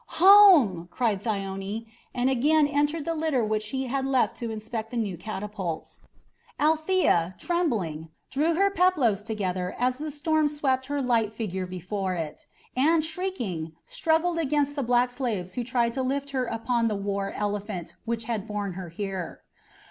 "Home!" cried Thyone, and again entered the litter which she had left to inspect the new catapults. Althea, trembling, drew her peplos together as the storm swept her light figure before it, and, shrieking, struggled against the black slaves who tried to lift her upon the war elephant which had borne her here.